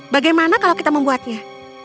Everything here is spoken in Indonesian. bagaimana kalau kita membuatnya